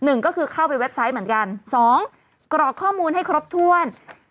หนึ่งก็คือเข้าไปเว็บไซต์เหมือนกันสองกรอกข้อมูลให้ครบถ้วน